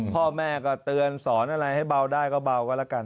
พ่อแม่ก็เตือนสอนอะไรให้เบาได้ก็เบาก็แล้วกัน